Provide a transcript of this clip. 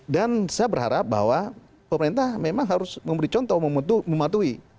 dan saya berharap bahwa pemerintah memang harus memberi contoh mematuhi